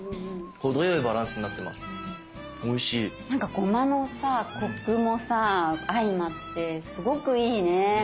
ごまのコクもさ相まってすごくいいね。